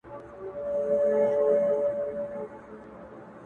يوه ورځ باران کيږي او کلي ته سړه فضا راځي,